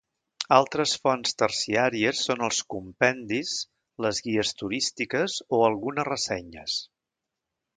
Altres fonts terciàries són els compendis, les guies turístiques o algunes ressenyes.